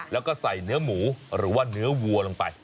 แล้วก็ใส่เนื้อหมูหรือว่าเนื้อวัวลงไป